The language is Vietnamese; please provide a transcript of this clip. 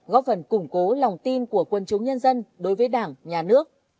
góp phần củng cố lòng tin của quân chúng nhân dân đối với đảng nhà nước